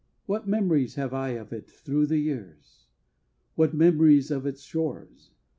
What memories have I of it thro the years! What memories of its shores!...